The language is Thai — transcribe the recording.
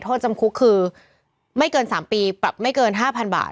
โทษจำคุกคือไม่เกิน๓ปีปรับไม่เกิน๕๐๐๐บาท